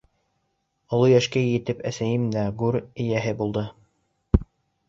Оло йәшкә етеп, әсәйем дә гүр эйәһе булды.